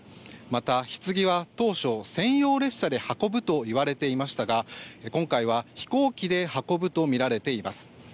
また、ひつぎは当初、専用列車で運ぶといわれていましたが今回は、飛行機で運ぶとみられています。